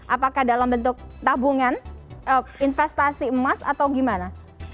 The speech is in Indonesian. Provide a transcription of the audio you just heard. apakah dalam bentuk tabungan investasi emas atau gimana